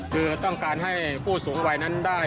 คือต้องการให้ผู้สูงวัยนั้นได้